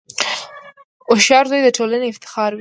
• هوښیار زوی د ټولنې افتخار وي.